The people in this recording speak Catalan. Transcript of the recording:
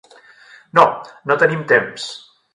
No, no tenim temps.